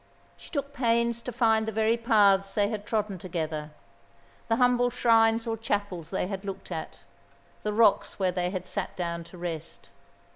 She took pains to find the very paths they had trodden together, the humble shrines or chapels they had looked at, the rocks where they had sat down to rest.